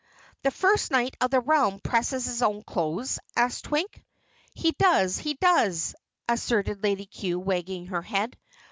"The First Knight of the Realm presses his own clothes?" asked Twink. "He does, he does," asserted Lady Cue wagging her head.